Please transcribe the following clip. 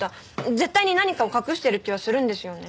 絶対に何かを隠してる気はするんですよね。